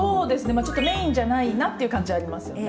まあちょっとメインじゃないなっていう感じはありますよね。